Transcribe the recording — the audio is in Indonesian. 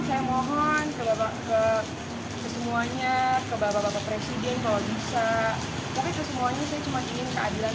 saya mohon kebawa ke kesemuanya kebawa presiden kalau bisa ke semuanya saya cuma ingin keadilan